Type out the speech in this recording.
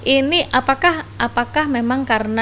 ini apakah memang karena